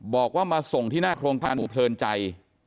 บอกว่ามาส่งที่หน้าโครงการเพลินใจ